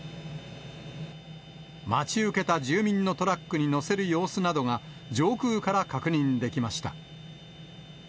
待ち受けた住民のトラックに載せる様子などが、上空から確認できました。